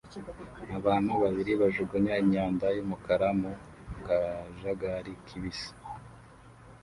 Abantu babiri bajugunya imyanda yumukara mu kajagari kibisi